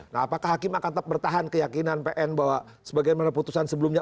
nah apakah hakim akan tetap bertahan keyakinan pn bahwa sebagaimana putusan sebelumnya